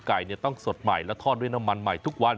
ไก่ต้องสดใหม่และทอดด้วยน้ำมันใหม่ทุกวัน